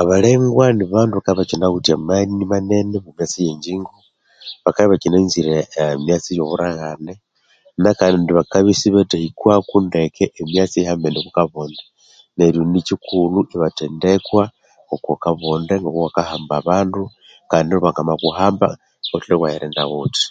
Abalengwa nibandu abakabya bakyinawithe amani manene okwa kazi eye ngyingo, bakabya ibakyinanzire emyatsi eyo oburaghane nakandi bakabya isibathahikwako ndeke emyatsi eyihambene okwa kabonde neryo nikyikulhu ibathendekwa okwa kabonde ngoku kakahamba abandu kandi kamakuhamba ngawutholere iwayirinda wuthi.